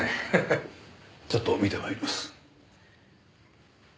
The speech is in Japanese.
ちょっと見て参ります。